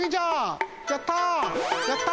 やった！